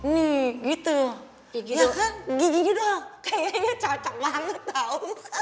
nih gitu gigi doang kayaknya cocok banget tau